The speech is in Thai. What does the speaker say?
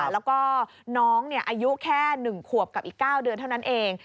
แล้วก็น้องอายุแค่๑ขวบกับอีก๙เดือนเท่านั้นเอง